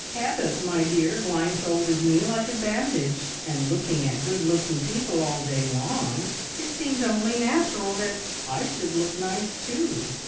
Habit, my dear, blindfolded me like a bandage, and looking at good looking people all day long it seemed only natural that I should look nice too.